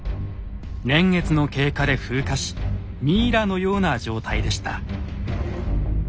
年月の経過で風化しミイラのような状態でした。